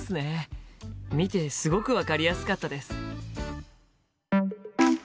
見てすごく分かりやすかったです。